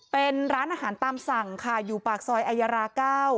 เป็นร้านอาหารตามสั่งค่ะอยู่ปากซอยอายารา๙